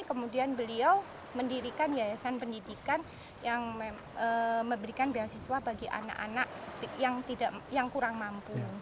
kemudian beliau mendirikan yayasan pendidikan yang memberikan beasiswa bagi anak anak yang kurang mampu